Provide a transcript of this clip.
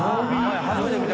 初めて見た